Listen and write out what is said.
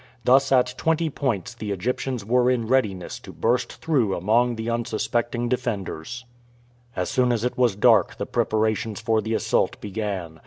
Thus at twenty points the Egyptians were in readiness to burst through among the unsuspecting defenders. As soon as it was dark the preparations for the assault began.